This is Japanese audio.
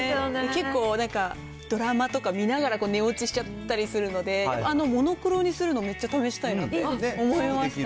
結構なんかドラマとか見ながら寝落ちしちゃったりするので、モノクロにするのめっちゃ試したいなと思いました。